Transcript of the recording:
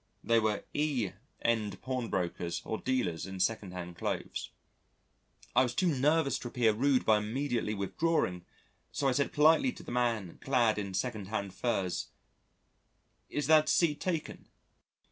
They were E. end pawnbrokers or dealers in second hand clothes. I was too nervous to appear rude by immediately with drawing, so I said politely to the man clad in second hand furs: "Is that seat taken?"